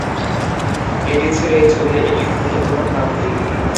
এটি ছিল এই ছবির একটি গুরুত্বপূর্ণ প্রাপ্তি।